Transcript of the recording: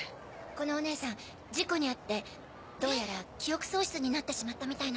このおねえさん事故に遭ってどうやら記憶喪失になってしまったみたいなの。